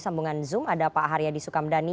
sambungan zoom ada pak haryadi sukamdhani